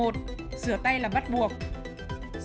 một rửa tay là bắt buộc